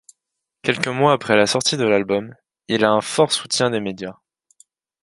Quelques mois après la sortie de l'album, il a un fort soutient des médias.